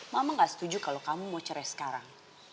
mama nggak setuju kalau kamu mau cerai sekarang